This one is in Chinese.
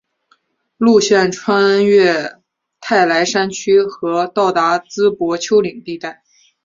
线路穿越泰莱山区和到达淄博丘陵地带。